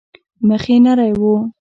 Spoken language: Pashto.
مخ يې نرى و.